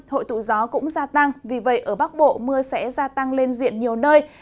hội tụ gió cũng gia tăng vì vậy ở bắc bộ mưa sẽ gia tăng lên diện nhiều nơi